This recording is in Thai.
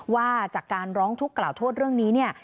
ว่าจากการร้องทุกข์กล่าวโทษเรื่องนี้เนี่ย